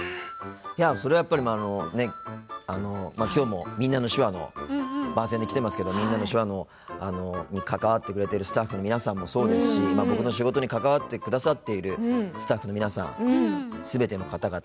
それは、やっぱり今日も「みんなの手話」の番宣で来てますけど「みんなの手話」に関わってくれているスタッフの皆さんもそうですし僕の仕事に関わってくださっているスタッフの皆さん、すべての方々。